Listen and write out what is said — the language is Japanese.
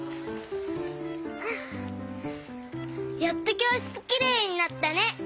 やっときょうしつきれいになったね！